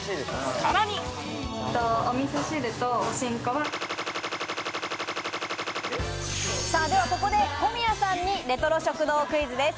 さらにさぁここで小宮さんにレトロ食堂クイズです。